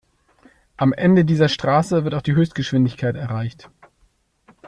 Am Ende dieser Straße wird auch die Höchstgeschwindigkeit erreicht.